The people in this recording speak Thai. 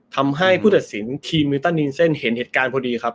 ทำให้ผู้ตัดสินทีมมิวตันนินเซ็นเห็นเหตุการณ์พอดีครับ